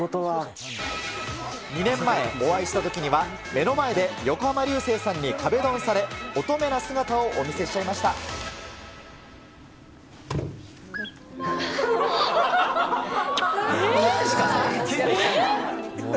２年前、お会いしたときには、目の前で横浜流星さんに壁ドンされ、乙女な姿をお見せしちゃいました。